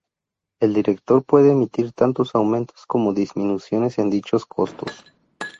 El Director puede emitir tanto aumentos como disminuciones en dichos costos.